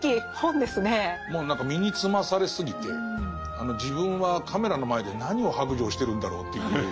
もう何か身につまされすぎて自分はカメラの前で何を白状してるんだろうという。